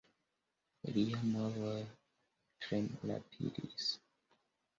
Liaj movoj tre rapidis.